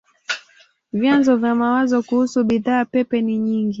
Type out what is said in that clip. Vyanzo vya mawazo kuhusu bidhaa pepe ni nyingi.